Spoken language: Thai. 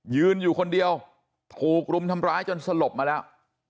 ยืนอยู่คนเดียวถูกรุมทำร้ายจนสลบมาแล้ว